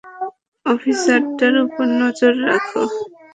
অফিসারটার উপর নজর রাখো।